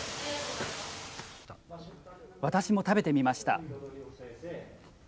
私も食べてみました。